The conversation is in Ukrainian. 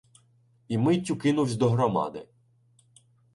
І миттю кинувсь до громади